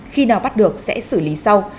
khi nào bắt được sẽ xử lý sau